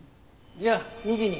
じゃあ２時に。